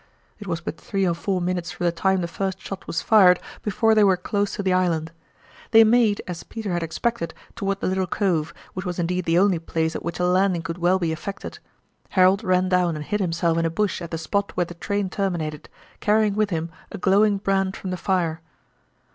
It was but three or four minutes from the time the first shot was fired before they were close to the island. They made, as Peter had expected, toward the little cove, which was indeed the only place at which a landing could well be effected. Harold ran down and hid himself in a bush at the spot where the train terminated, carrying with him a glowing brand from the fire.